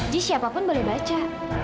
jadi siapapun boleh baca